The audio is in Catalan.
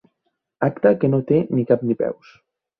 Acte que no té ni cap ni peus.